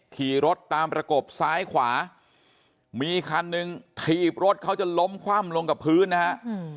ขี่รถตามประกบซ้ายขวามีคันหนึ่งถีบรถเขาจนล้มคว่ำลงกับพื้นนะฮะ